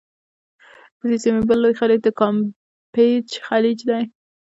د دې سیمي بل لوی خلیج د کامپېچ خلیج دی.